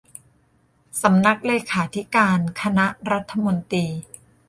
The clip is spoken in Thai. สำนักเลขาธิการคณะรัฐมนตรี